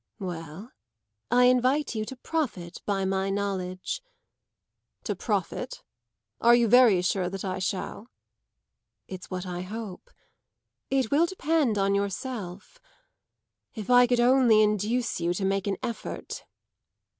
"Well, I invite you to profit by my knowledge." "To profit? Are you very sure that I shall?" "It's what I hope. It will depend on yourself. If I could only induce you to make an effort!"